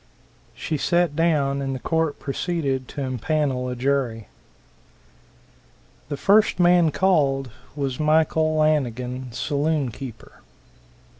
She sat down and the court proceeded to impanel a jury. The first man called was Michael Lanigan, saloon keeper.